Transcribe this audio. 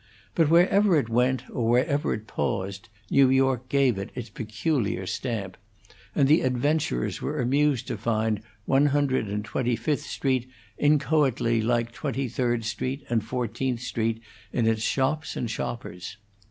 But wherever it went or wherever it paused, New York gave its peculiar stamp; and the adventurers were amused to find One Hundred and Twenty fifth Street inchoately like Twenty third Street and Fourteenth Street in its shops and shoppers.